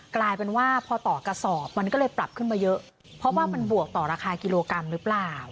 กลายเป็นว่าพอต่อกระสอบมันก็เลยปรับขึ้นมาเยอะเพราะว่ามันบวกต่อราคากิโลกรัมหรือเปล่า